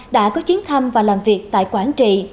đã có chuyến thăm và làm việc tại quảng trị